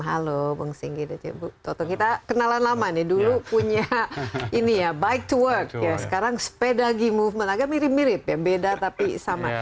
halo bang singgi dan bu toto kita kenalan lama nih dulu punya ini ya bike to work ya sekarang spedagi movement agak mirip mirip ya beda tapi sama